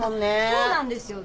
そうなんですよ。